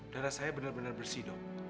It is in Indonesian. darah saya benar benar bersih dong